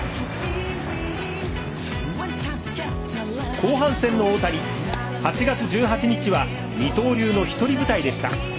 後半戦の大谷、８月１８日は二刀流の独り舞台でした。